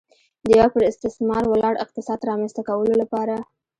د یوه پر استثمار ولاړ اقتصاد رامنځته کولو لپاره.